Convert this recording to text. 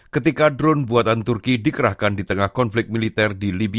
ketika drone buatan turki dikerahkan di tengah konflik militer di lib